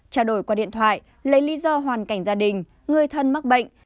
trao đổi qua điện thoại lấy lý do hoàn cảnh gia đình người thân mắc bệnh